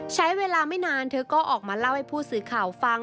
ใช้เวลาไม่นานเธอก็ออกมาเล่าให้ผู้สื่อข่าวฟัง